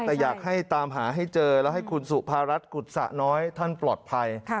แต่อยากให้ตามหาให้เจอแล้วให้คุณสุภารัฐกุศะน้อยท่านปลอดภัย